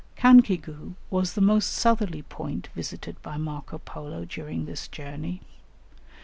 Cancigu was the most southerly point visited by Marco Polo, during this journey.